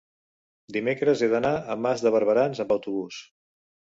dimecres he d'anar a Mas de Barberans amb autobús.